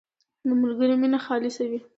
• د ملګري مینه خالصه وي.